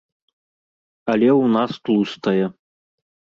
Але ў нас тлустае.